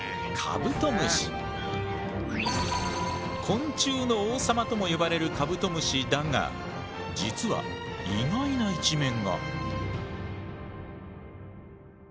昆虫の王様とも呼ばれるカブトムシだが実は意外な一面が！